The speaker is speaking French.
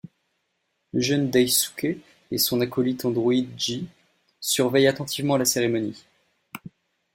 Le jeune Daisuke et son acolyte androïde J surveillent attentivement la cérémonie.